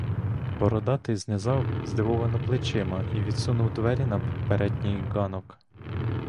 Бородатий знизав здивовано плечима і відсунув двері на передній ґанок.